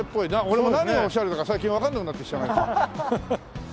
俺も何がオシャレだか最近わかんなくなってきちゃう。